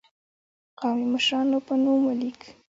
قومي مشرانو په نوم ولیک.